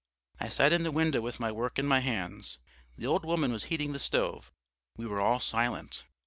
I sat in the window with my work in my hands. The old woman was heating the stove. We were all silent.